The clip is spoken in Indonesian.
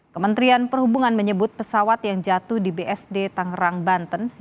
kementerian perhubungan menyebut pesawat yang jatuh di bsd tangerang banten